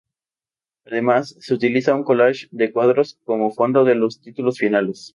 Además, se utiliza un collage de cuadros como fondo de los títulos finales.